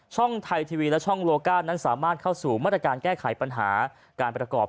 ไทยทีวีและช่องโลก้านั้นสามารถเข้าสู่มาตรการแก้ไขปัญหาการประกอบ